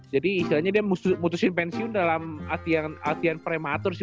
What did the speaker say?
jadi istilahnya dia mutusin pensiun dalam artian prematur sih